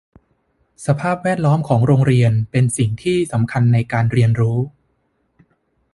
สภาพแวดล้อมของโรงเรียนเป็นสิ่งที่สำคัญในการเรียนรู้